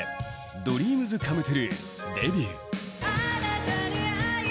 ＤＲＥＡＭＳＣＯＭＥＴＲＵＥデビュー。